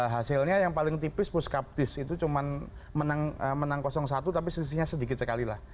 hasilnya yang paling tipis puskaptis itu cuma menang satu tapi sisinya sedikit sekali lah